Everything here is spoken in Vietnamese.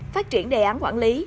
phát triển đề án quản lý